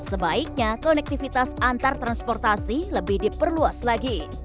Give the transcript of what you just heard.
sebaiknya konektivitas antar transportasi lebih diperluas lagi